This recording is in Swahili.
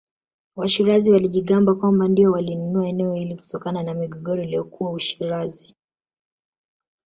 Washirazi walijigamba kwamba ndio walinunua eneo hilo kutokana na migogoro iliyokuwapo Ushirazi